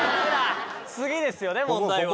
次ですよね問題は。